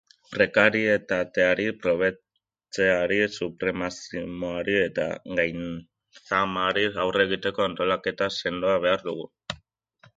Prekarietateari, pobretzeari, supremazismoari eta gainzamari aurre egiteko antolaketa sendoa behar dugu.